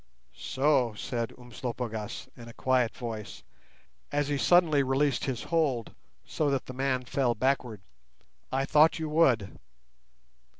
"So!" said Umslopogaas, in a quiet voice, as he suddenly released his hold, so that the man fell backward. "I thought you would."